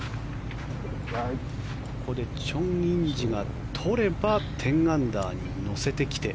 ここでチョン・インジが取れば１０アンダーに乗せてきて。